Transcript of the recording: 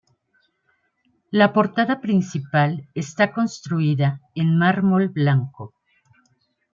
La portada principal está construida en mármol blanco.